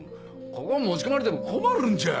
ここん持ち込まれても困るんちゃ。